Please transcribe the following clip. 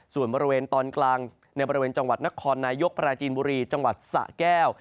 ส่วนบริเวณตอนกลางในบริเวณจังหวัดนครนายกปราจีนบุรีจังหวัดสะแก้ว